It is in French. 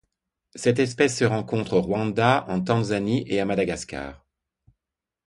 Cette espèce se rencontre au Rwanda, en Tanzanie et à Madagascar.